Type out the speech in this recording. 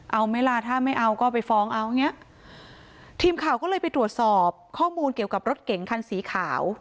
เอาไหมล่ะถ้าไม่เอาก็ไปฟ้องเอาอย่างเงี้ยทีมข่าวก็เลยไปตรวจสอบข้อมูลเกี่ยวกับรถเก๋งคันสีขาว